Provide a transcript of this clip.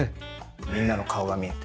みんなの顔が見えて。